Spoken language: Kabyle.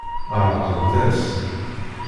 Ɛeṛqent-as.